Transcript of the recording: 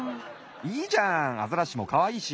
いいじゃんアザラシもかわいいし。